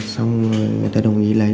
xong rồi người ta đồng ý lấy